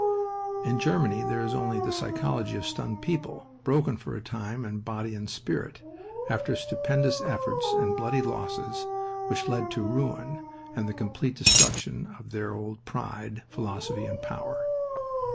In Germany there is only the psychology of stunned people, broken for a time in body and spirit, after stupendous efforts and bloody losses which led to ruin and the complete destruction of their old pride, philosophy, and power.